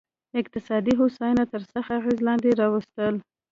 اقتصادي هوساینه تر سخت اغېز لاندې راوستل.